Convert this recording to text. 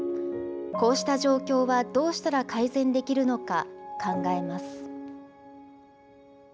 こうした状況はどうしたら改善できるのか考えます。